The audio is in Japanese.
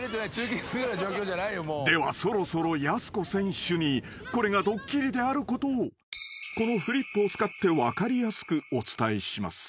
［ではそろそろやす子選手にこれがドッキリであることをこのフリップを使って分かりやすくお伝えします］